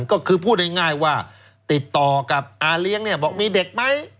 ก็คือพูดง่ายว่าติดต่อกับอาเลี้ยงเนี่ยบอกมีเด็กไหม